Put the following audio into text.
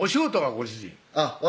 ご主人私